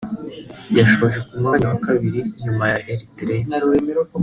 yasoje ku mwanya wa kabiri nyuma ya Eritrea